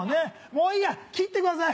もういいや切ってください。